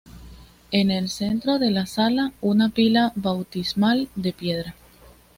En el centro de la sala, una pila bautismal de piedra.